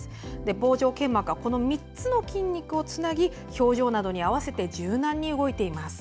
帽状腱膜は３つの筋肉をつなぎ表情などに合わせて柔軟に動いています。